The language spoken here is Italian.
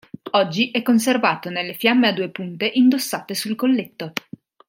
Oggi è conservato nelle fiamme a due punte indossate sul colletto.